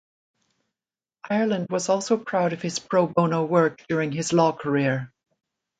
Ireland was also proud of his "pro bono" work during his law career.